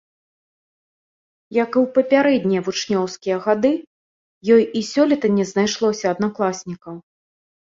Як і ў папярэднія вучнёўскія гады, ёй і сёлета не знайшлося аднакласнікаў.